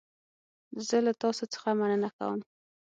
زه له تاسو څخه مننه کوم.